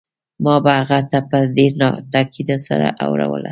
ما به هغه ته په ډېر تاکيد سره اوروله.